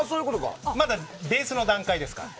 まだベースの段階ですから。